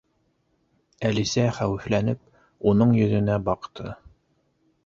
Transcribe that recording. Әлисә хәүефләнеп, уның йөҙөнә баҡты.